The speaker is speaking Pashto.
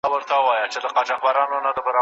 جهاني به وي د شپو له کیسو تللی